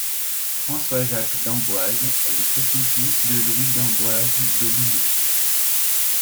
François-Jacques d'Amboise est le petit-fils de Louis d'Amboise d'Aubijoux.